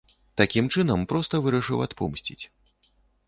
Такім чынам проста вырашыў адпомсціць.